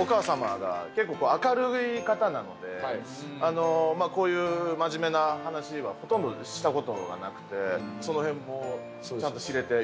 お母様が結構こう明るい方なのでこういう真面目な話はほとんどした事がなくてその辺もちゃんと知れてよかったですね。